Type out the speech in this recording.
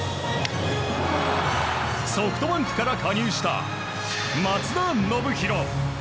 ソフトバンクから加入した松田宣浩。